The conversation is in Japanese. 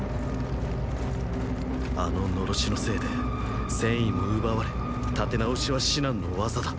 あの狼煙のせいで戦意も奪われ立て直しは至難の業だ。